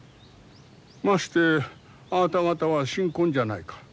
ましてあなた方は新婚じゃないか。